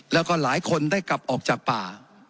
แล้วก็หลายคนได้กลับออกจากป่า